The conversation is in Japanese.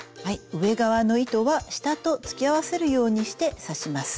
上側の糸は下と突き合わせるようにして刺します。